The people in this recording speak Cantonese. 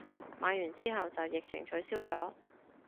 買完之後就疫情取消咗